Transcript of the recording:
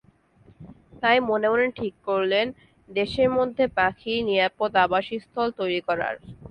তাই মনে মনে ঠিক করলেন দেশের মধ্যে পাখির নিরাপদ আবাসস্থল তৈরি করার।